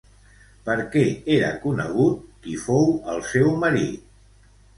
Per què era conegut qui fou el seu marit?